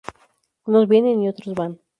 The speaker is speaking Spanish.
Unos vienen y otros van